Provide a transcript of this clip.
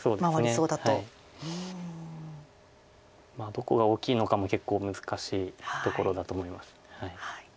どこが大きいのかも結構難しいところだと思います。